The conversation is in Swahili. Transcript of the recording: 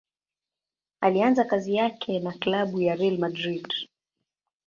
Alianza kazi yake na klabu ya Real Madrid.